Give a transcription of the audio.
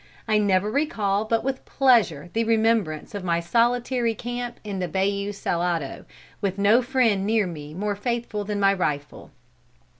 I never recall but with pleasure the remembrance of my solitary camp in the Bayou Salado, with no friend near me more faithful than my rifle.